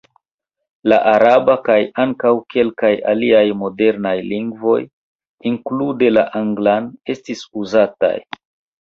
La araba kaj ankaŭ kelkaj aliaj modernaj lingvoj (inklude la anglan) estis uzataj.